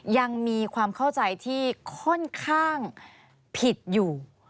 ยังมีความเข้าใจที่ค่อนข้างผิดอยู่